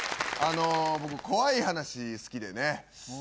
僕怖い話好きでね。